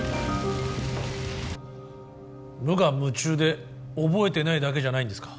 無我夢中で覚えてないだけじゃないんですか？